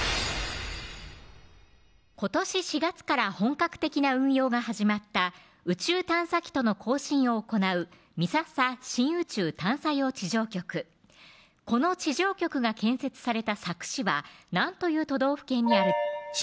今年４月から本格的な運用が始まった宇宙探査機との交信を行う美笹深宇宙探査用地上局この地上局が建設された佐久市は何という都道府県にある白